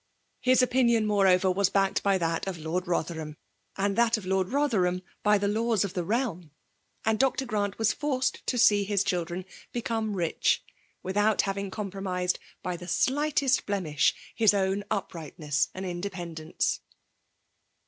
His opinion more^ over was backed by that of Lord Botherham, and that of Lord Botherham by the laws of the realm ; and Dr. Grant was forced to see Juftrdiildren become rich, without having com promised, by the slightest blemish, his own uiirightnesB and: independcneeL 3d0 FEMALE DOMlKAlt<m.